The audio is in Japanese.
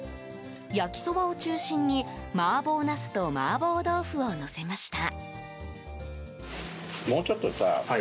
焼きそばを中心に麻婆ナスと麻婆豆腐をのせました。